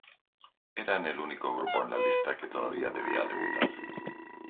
Eran el único grupo en la lista que todavía debía debutar.